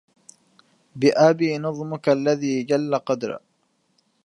بأبي نظمك الذي جل قدرا